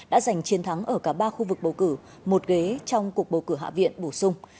đã giành chiến thắng ở cả ba khu vực bầu cử một ghế trong cuộc bầu cử hạ viện bổ sung